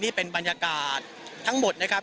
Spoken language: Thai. นี่เป็นบรรยากาศทั้งหมดนะครับ